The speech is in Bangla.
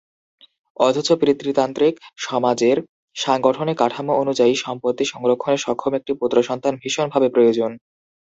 অথচ পিতৃতান্ত্রিক সমাজের সাংগঠনিক কাঠামো অনুযায়ী, সম্পত্তি সংরক্ষণে সক্ষম একটি পুত্রসন্তান ভীষণভাবে প্রয়োজন।